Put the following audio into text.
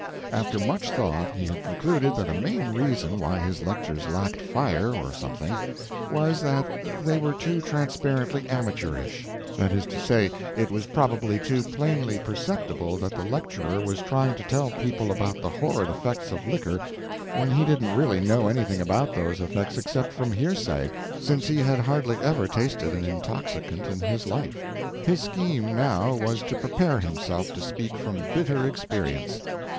After much thought he had concluded that a main reason why his lectures lacked fire or something, was that they were too transparently amateurish; that is to say, it was probably too plainly perceptible that the lecturer was trying to tell people about the horrid effects of liquor when he didn't really know anything about those effects except from hearsay, since he had hardly ever tasted an intoxicant in his life. His scheme, now, was to prepare himself to speak from bitter experience.